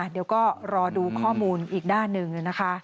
เดี๋ยวก็รอดูข้อมูลอีกด้านหนึ่งนะคะ